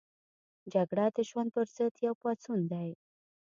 جګړه د ژوند پر ضد یو پاڅون دی